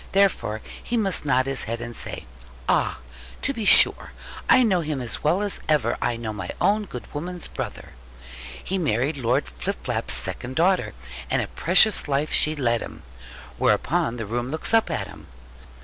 Therefore he must nod his head, and say, 'Ah, to be sure! I know him as well as ever I know my own good woman's brother. He married Lord Flipflap's second daughter, and a precious life she led him.' Whereupon the room looks up at him.